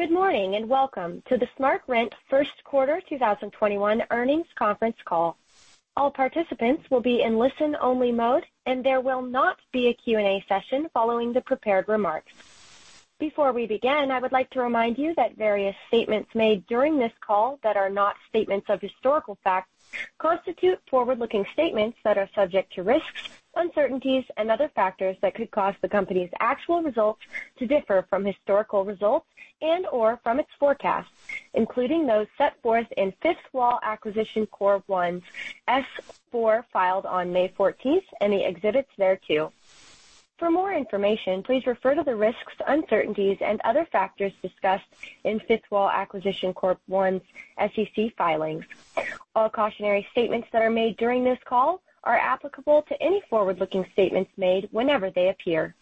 Good morning, and welcome to the SmartRent First Quarter 2021 earnings conference call. All participants will be in listen only mode, and there will not be a Q&A session following the prepared remarks. Before we begin, I would like to remind you that various statements made during this call that are not statements of historical fact constitute forward-looking statements that are subject to risks, uncertainties, and other factors that could cause the company's actual results to differ from historical results and/or from its forecasts, including those set forth in Fifth Wall Acquisition Corp. I's S-4 filed on May 14th and the exhibits thereto. For more information, please refer to the risks, uncertainties, and other factors discussed in Fifth Wall Acquisition Corp. I's SEC filings. All cautionary statements that are made during this call are applicable to any forward-looking statements made whenever they appear.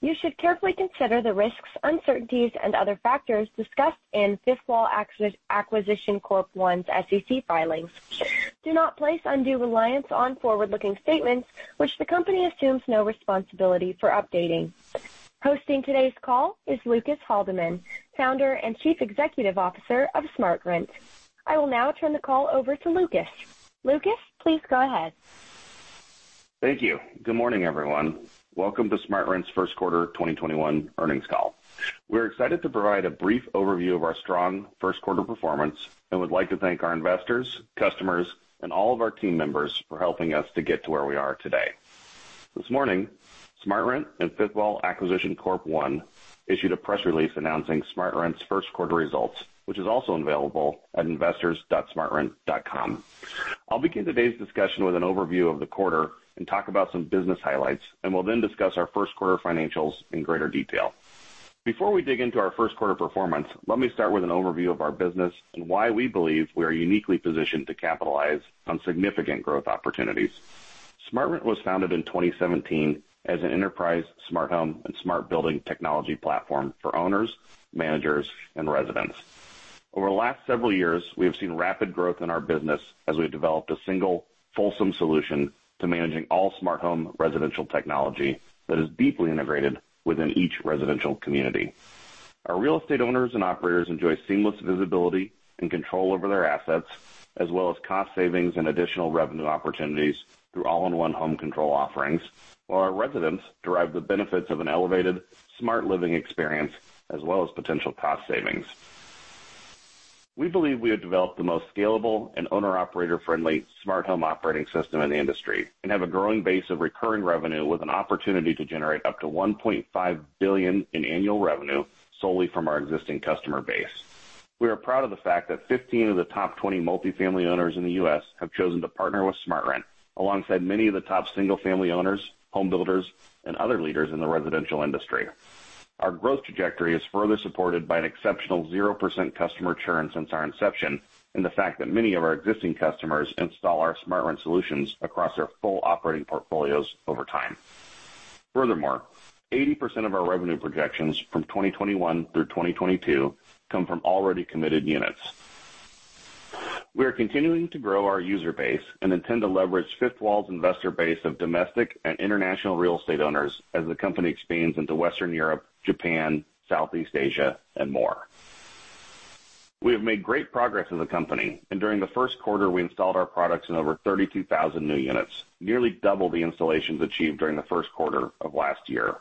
You should carefully consider the risks, uncertainties, and other factors discussed in Fifth Wall Acquisition Corp. I's SEC filings. Do not place undue reliance on forward-looking statements, which the company assumes no responsibility for updating. Hosting today's call is Lucas Haldeman, Founder and Chief Executive Officer of SmartRent. I will now turn the call over to Lucas. Lucas, please go ahead. Thank you. Good morning, everyone. Welcome to SmartRent's First Quarter 2021 earnings call. We're excited to provide a brief overview of our strong first quarter performance and would like to thank our investors, customers, and all of our team members for helping us to get to where we are today. This morning, SmartRent and Fifth Wall Acquisition Corp. I issued a press release announcing SmartRent's first quarter results, which is also available at investors.smartrent.com. I'll begin today's discussion with an overview of the quarter and talk about some business highlights, and will then discuss our first quarter financials in greater detail. Before we dig into our first quarter performance, let me start with an overview of our business and why we believe we are uniquely positioned to capitalize on significant growth opportunities. SmartRent was founded in 2017 as an enterprise smart home and smart building technology platform for owners, managers, and residents. Over the last several years, we have seen rapid growth in our business as we've developed a single, fulsome solution to managing all smart home residential technology that is deeply integrated within each residential community. Our real estate owners and operators enjoy seamless visibility and control over their assets, as well as cost savings and additional revenue opportunities through all-in-one home control offerings, while our residents derive the benefits of an elevated smart living experience as well as potential cost savings. We believe we have developed the most scalable and owner/operator-friendly smart home operating system in the industry and have a growing base of recurring revenue with an opportunity to generate up to $1.5 billion in annual revenue solely from our existing customer base. We are proud of the fact that 15 of the top 20 multifamily owners in the U.S. have chosen to partner with SmartRent, alongside many of the top single-family owners, home builders, and other leaders in the residential industry. Our growth trajectory is further supported by an exceptional 0% customer churn since our inception and the fact that many of our existing customers install our SmartRent solutions across their full operating portfolios over time. Furthermore, 80% of our revenue projections from 2021 through 2022 come from already committed units. We are continuing to grow our user base and intend to leverage Fifth Wall's investor base of domestic and international real estate owners as the company expands into Western Europe, Japan, Southeast Asia, and more. We have made great progress as a company, and during the first quarter we installed our products in over 32,000 new units, nearly double the installations achieved during the first quarter of last year.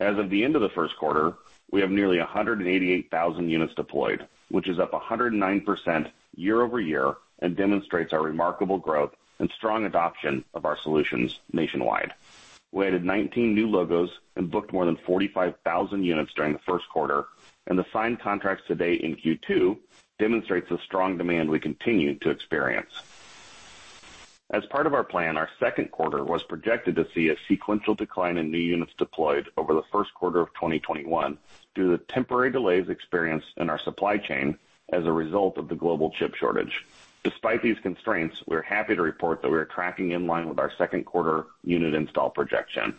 As of the end of the first quarter, we have nearly 188,000 units deployed, which is up 109% year-over-year and demonstrates our remarkable growth and strong adoption of our solutions nationwide. We added 19 new logos and booked more than 45,000 units during the first quarter, and the signed contracts to date in Q2 demonstrates the strong demand we continue to experience. As part of our plan, our second quarter was projected to see a sequential decline in new units deployed over the first quarter of 2021 due to the temporary delays experienced in our supply chain as a result of the global chip shortage. Despite these constraints, we are happy to report that we are tracking in line with our second quarter unit install projection.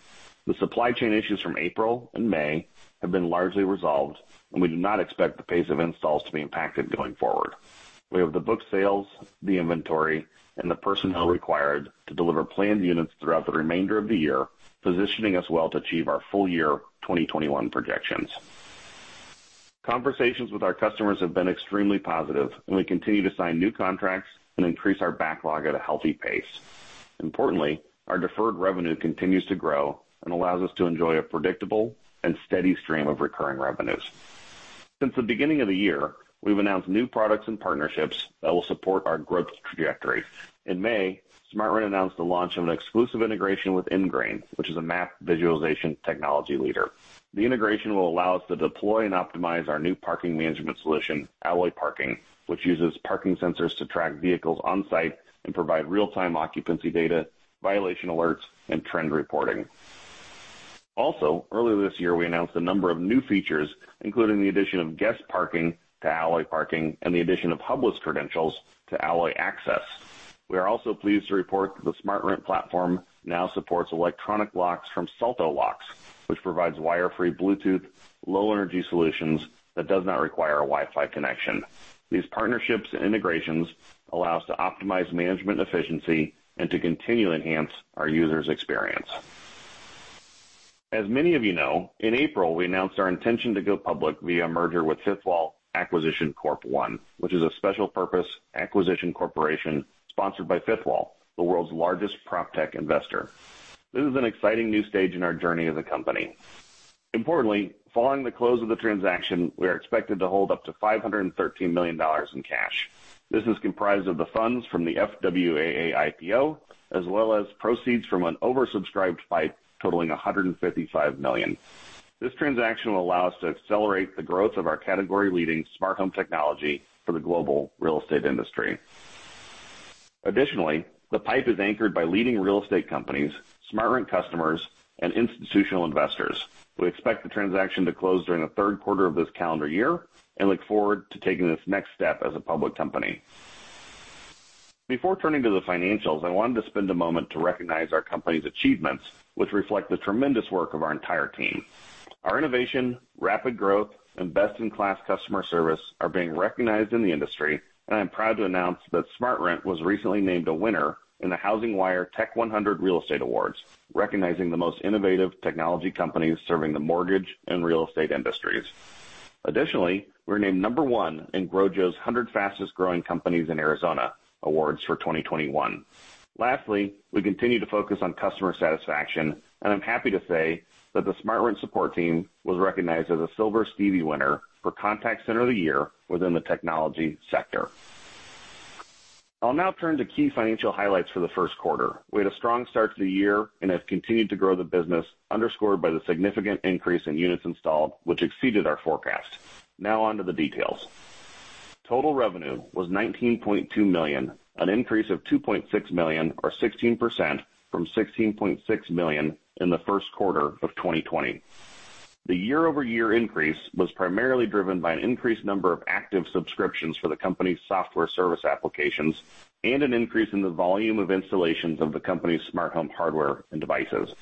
The supply chain issues from April and May have been largely resolved, and we do not expect the pace of installs to be impacted going forward. We have the booked sales, the inventory, and the personnel required to deliver planned units throughout the remainder of the year, positioning us well to achieve our full-year 2021 projections. Conversations with our customers have been extremely positive, and we continue to sign new contracts and increase our backlog at a healthy pace. Importantly, our deferred revenue continues to grow and allows us to enjoy a predictable and steady stream of recurring revenues. Since the beginning of the year, we've announced new products and partnerships that will support our growth trajectory. In May, SmartRent announced the launch of an exclusive integration with Engrain, which is a map visualization technology leader. The integration will allow us to deploy and optimize our new parking management solution, Alloy Parking, which uses parking sensors to track vehicles on-site and provide real-time occupancy data, violation alerts, and trend reporting. Earlier this year, we announced a number of new features, including the addition of guest parking to Alloy Parking and the addition of hubless credentials to Alloy Access. We are also pleased to report that the SmartRent platform now supports electronic locks from Schlage Locks, which provides wire-free Bluetooth Low Energy solutions that does not require a Wi-Fi connection. These partnerships and integrations allow us to optimize management efficiency and to continue to enhance our users' experience. As many of you know, in April, we announced our intention to go public via a merger with Fifth Wall Acquisition Corp I, which is a special purpose acquisition corporation sponsored by Fifth Wall, the world's largest PropTech investor. This is an exciting new stage in our journey as a company. Importantly, following the close of the transaction, we are expected to hold up to $513 million in cash. This is comprised of the funds from the FWAA IPO, as well as proceeds from an oversubscribed PIPE totaling $155 million. This transaction will allow us to accelerate the growth of our category-leading smart home technology for the global real estate industry. Additionally, the PIPE is anchored by leading real estate companies, SmartRent customers, and institutional investors. We expect the transaction to close during the third quarter of this calendar year and look forward to taking this next step as a public company. Before turning to the financials, I wanted to spend a moment to recognize our company's achievements, which reflect the tremendous work of our entire team. Our innovation, rapid growth, and best-in-class customer service are being recognized in the industry, and I'm proud to announce that SmartRent was recently named a winner in the HousingWire Tech100 Real Estate Awards, recognizing the most innovative technology companies serving the mortgage and real estate industries. Additionally, we're named number one in Growjo's 100 Fastest Growing Companies in Arizona Awards for 2021. Lastly, we continue to focus on customer satisfaction, and I'm happy to say that the SmartRent support team was recognized as a Silver Stevie Winner for Contact Center of the Year within the technology sector. I'll now turn to key financial highlights for the first quarter. We had a strong start to the year and have continued to grow the business, underscored by the significant increase in units installed, which exceeded our forecast. Now on to the details. Total revenue was $19.2 million, an increase of $2.6 million or 16% from $16.6 million in the first quarter of 2020. The year-over-year increase was primarily driven by an increased number of active subscriptions for the company's software service applications and an increase in the volume of installations of the company's smart home hardware and devices.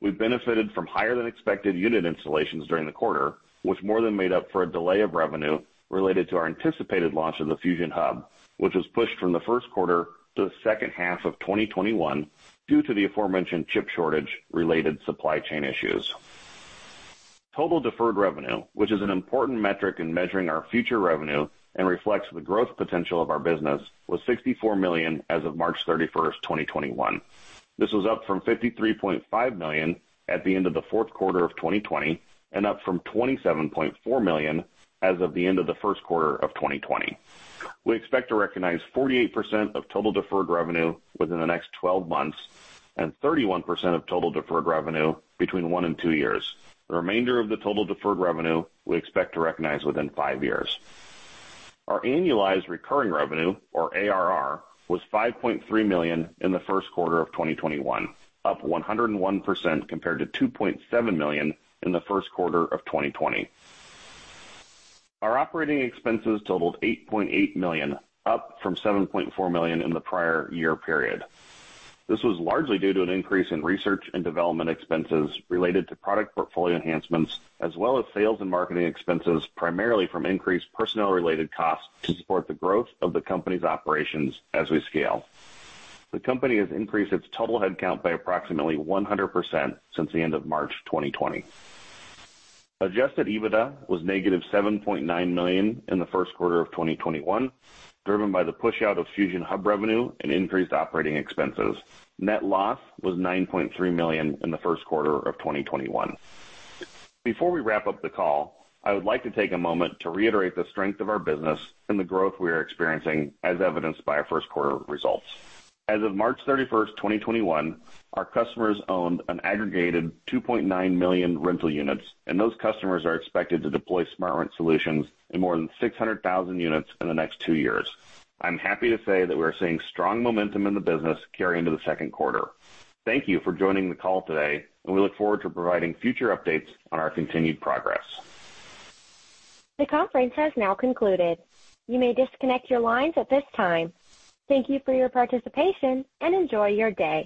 We benefited from higher than expected unit installations during the quarter, which more than made up for a delay of revenue related to our anticipated launch of the Fusion Hub, which was pushed from the first quarter to the second half of 2021 due to the aforementioned chip shortage-related supply chain issues. Total deferred revenue, which is an important metric in measuring our future revenue and reflects the growth potential of our business, was $64 million as of March 31st, 2021. This was up from $53.5 million at the end of the fourth quarter of 2020 and up from $27.4 million as of the end of the first quarter of 2020. We expect to recognize 48% of total deferred revenue within the next 12 months and 31% of total deferred revenue between one and two years. The remainder of the total deferred revenue, we expect to recognize within five years. Our annualized recurring revenue or ARR was $5.3 million in the first quarter of 2021, up 101% compared to $2.7 million in the first quarter of 2020. Our operating expenses totaled $8.8 million, up from $7.4 million in the prior year period. This was largely due to an increase in research and development expenses related to product portfolio enhancements as well as sales and marketing expenses, primarily from increased personnel-related costs to support the growth of the company's operations as we scale. The company has increased its total headcount by approximately 100% since the end of March 2020. Adjusted EBITDA was -$7.9 million in the first quarter of 2021, driven by the push-out of FusionHub revenue and increased operating expenses. Net loss was $9.3 million in the first quarter of 2021. Before we wrap up the call, I would like to take a moment to reiterate the strength of our business and the growth we are experiencing as evidenced by our first quarter results. As of March 31st, 2021, our customers owned an aggregated 2.9 million rental units, and those customers are expected to deploy SmartRent solutions in more than 600,000 units in the next two years. I'm happy to say that we are seeing strong momentum in the business carry into the second quarter. Thank you for joining the call today, and we look forward to providing future updates on our continued progress. The conference has now concluded. You may disconnect your lines at this time. Thank you for your participation and enjoy your day